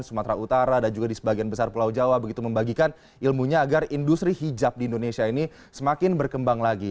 dan sumatera utara dan juga di sebagian besar pulau jawa begitu membagikan ilmunya agar industri hijab di indonesia ini semakin berkembang lagi